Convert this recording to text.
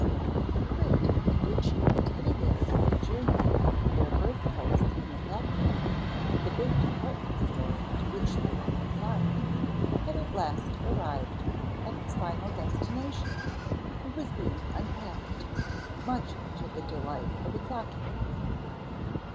_ THE crate in which the Teddy bears had journeyed from their birthplace in the factory to the big department store to which they were consigned had at last arrived at its final destination and was being unpacked, much to the delight of its occupants.